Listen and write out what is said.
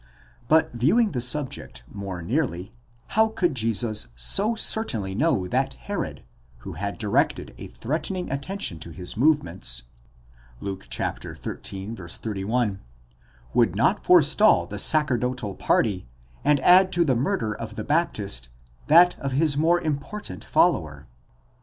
—But viewing the subject more nearly, how could Jesus so certainly know that Herod, who had directed a threatening attention to his movements (Luke xiii, 31), would not forestall the sacerdotal party, and add to the murder of the Baptist, that of his more important follower?